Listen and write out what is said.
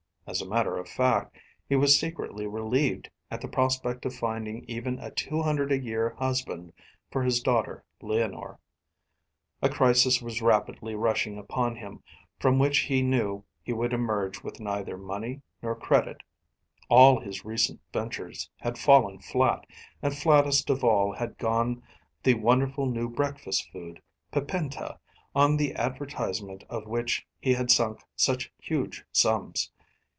As a matter of fact, he was secretly relieved at the prospect of finding even a two hundred a year husband for his daughter Leonore. A crisis was rapidly rushing upon him, from which he knew he would emerge with neither money nor credit; all his recent ventures had fallen flat, and flattest of all had gone the wonderful new breakfast food, Pipenta, on the advertisement of which he had sunk such huge sums.